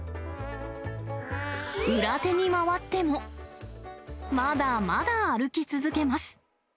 裏手に回っても、まだまだ歩き続けます。